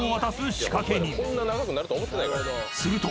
［すると］